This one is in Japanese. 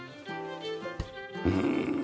うん。